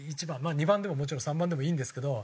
２番でももちろん３番でもいいんですけど。